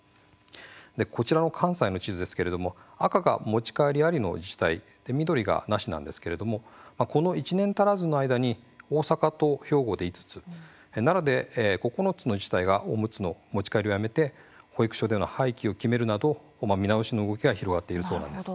こちらの関西の地図ですけれども赤が持ち帰りありの自治体緑がなしなんですけれどもこの１年足らずの間に大阪と兵庫で５つ奈良で９つの自治体がおむつの持ち帰りをやめて保育所での廃棄を決めるなど見直しの動きが広がっているそうなんです。